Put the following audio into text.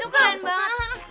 itu keren banget